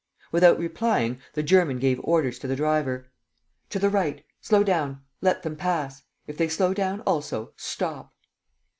Without replying, the German gave orders to the driver: "To the right! ... Slow down! ... Let them pass. ... If they slow down also, stop!"